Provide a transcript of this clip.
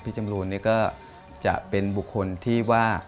พี่จำรูนเนี่ยก็จะเป็นบุคคลที่ว่า